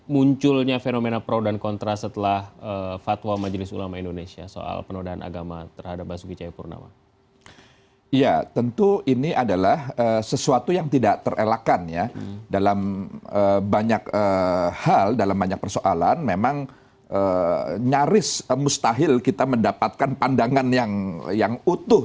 memang nyaris mustahil kita mendapatkan pandangan yang utuh